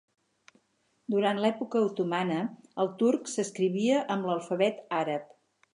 Durant l'època otomana el turc s'escrivia amb l'alfabet àrab.